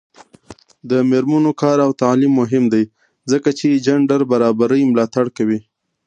د میرمنو کار او تعلیم مهم دی ځکه چې جنډر برابرۍ ملاتړ کوي.